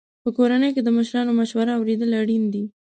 په کورنۍ کې د مشرانو مشوره اورېدل اړین دي.